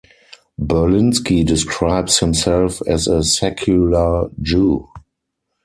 Berlinski describes himself as a secular Jew.